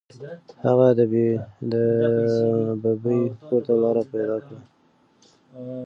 هغه د ببۍ کور ته لاره پیدا کړه.